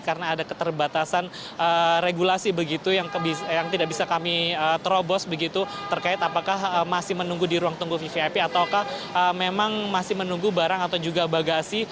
karena keterbatasan regulasi begitu yang tidak bisa kami terobos begitu terkait apakah masih menunggu di ruang tunggu vip ataukah memang masih menunggu barang atau juga bagasi